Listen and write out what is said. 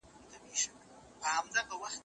اقتصادي پرمختيا څه ته وايي؟